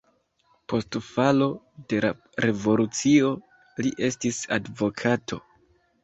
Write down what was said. Post falo de la revolucio li estis advokato.